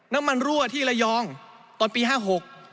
น้ำมันรั่วที่ระยองตอนปีห้าหก